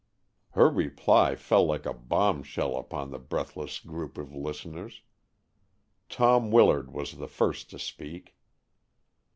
Her reply fell like a bombshell upon the breathless group of listeners. Tom Willard was the first to speak.